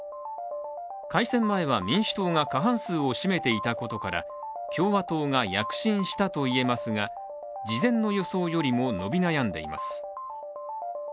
改選前は民主党が過半数を占めていたことから共和党が躍進したといえますが、事前の予想よりも伸び悩んでいます。